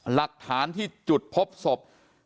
หลักฐานที่จุดพบศพ